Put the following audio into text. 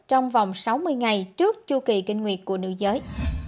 trong vòng sáu mươi ngày trước chu kỳ kinh nguyệt của nữ giới